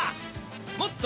「もっと！